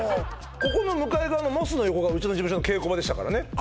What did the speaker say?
ここの向かい側のモスの横がうちの事務所の稽古場でした